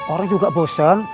orang juga bosan